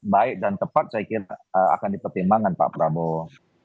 baik dan tepat saya kira akan dipertimbangkan pak prabowo